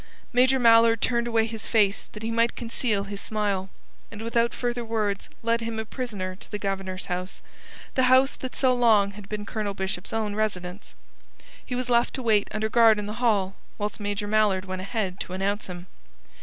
Major Mallard turned away his face that he might conceal his smile, and without further words led him a prisoner to the Governor's house, the house that so long had been Colonel Bishop's own residence. He was left to wait under guard in the hall, whilst Major Mallard went ahead to announce him.